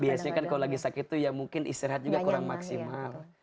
biasanya kan kalau lagi sakit itu ya mungkin istirahat juga kurang maksimal